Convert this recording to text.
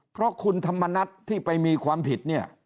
เพราะคุณธรรมนัฐที่ไปมีความผิดเนี่ย